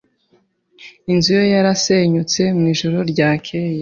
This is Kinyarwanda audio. Inzu ye yarasenyutse mu ijoro ryakeye.